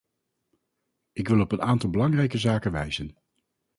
Ik wil op een aantal belangrijke zaken wijzen.